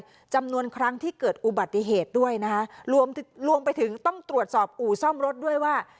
จำนวนครั้งที่เกิดอุบัติเหตุด้วยนะคะรวมไปถึงต้องตรวจสอบอู่ซ่อมรถด้วยว่า